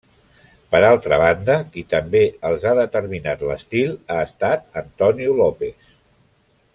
Per altra banda, qui també els ha determinat l’estil ha estat Antonio López.